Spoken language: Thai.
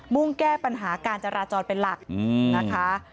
มุ่งแก้ปัญหาการจราจรเป็นหลักนะคะ